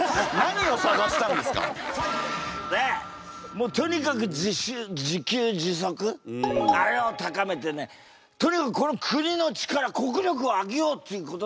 もうとにかく自給自足あれを高めてねとにかくこの国の力国力を上げようっていうことで。